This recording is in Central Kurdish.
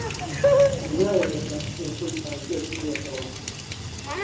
نایەوێت لە قسەی خۆی پاشگەز ببێتەوە